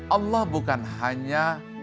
allah bukan hanya